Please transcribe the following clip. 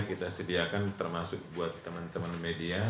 kita sediakan termasuk buat teman teman media